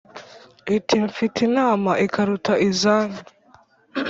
iti : mfite inama ikaruta izanyu